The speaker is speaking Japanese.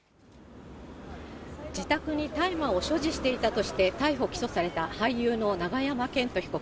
自宅に大麻を所持していたとして逮捕・起訴された俳優の永山絢斗被告。